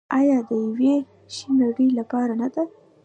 آیا د یوې ښې نړۍ لپاره نه ده؟